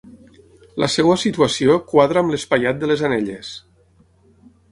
La seva situació quadra amb l'espaiat de les anelles.